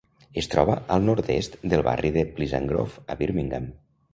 Es troba al nord-est del barri de Pleasant Grove a Birmingham.